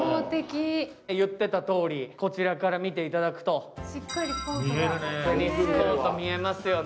言ってたとおり、こちらから見ていただくと、テニスコート見えますよね。